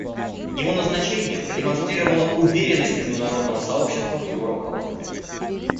Его назначение продемонстрировало уверенность международного сообщества в его руководстве.